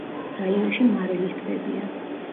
რაიონში მარილის ტბებია.